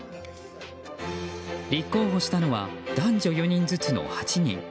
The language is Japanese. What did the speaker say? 立候補したのは男女４人ずつの８人。